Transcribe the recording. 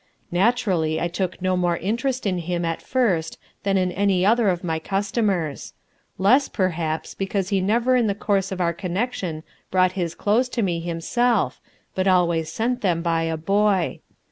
Naturally I took no more interest in him at first than in any other of my customers less, perhaps, since he never in the course of our connection brought his clothes to me himself but always sent them by a boy.